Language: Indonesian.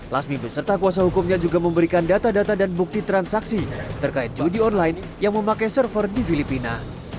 lasmi beserta kuasa hukumnya juga memberikan data data dan bukti transaksi terkait judi online yang memakai server di filipina